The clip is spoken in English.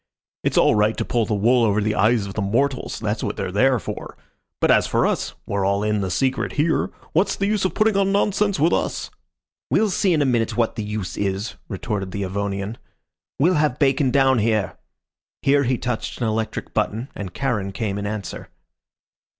"It's all right to pull the wool over the eyes of the mortals. That's what they're there for; but as for us we're all in the secret here. What's the use of putting on nonsense with us?" "We'll see in a minute what the use is," retorted the Avonian. "We'll have Bacon down here." Here he touched an electric button, and Charon came in answer.